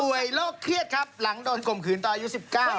ต่วยโรคเครียดครับหลังโดนก่มขืนตอนอายุ๑๙ครับ